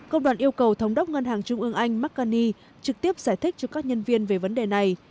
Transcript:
công đoàn yêu cầu thống đốc ngân hàng trung ương anh mcany trực tiếp giải thích cho các nhân viên về vấn đề này